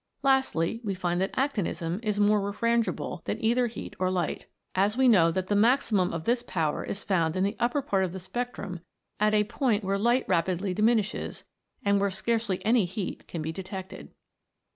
Lastly, we find that actinism is more refrangible than either heat or light, as we know that the maximum of this power is found in the upper part of the spectrum at a point where light rapidly diminishes, and where scarcely any heat can be detected.